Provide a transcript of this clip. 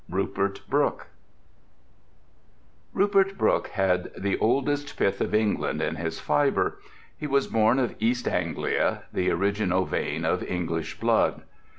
RUPERT BROOKE Rupert Brooke had the oldest pith of England in his fibre. He was born of East Anglia, the original vein of English blood.